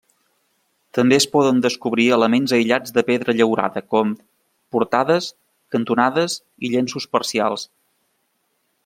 També es poden descobrir elements aïllats de pedra llaurada com: portades, cantonades i llenços parcials.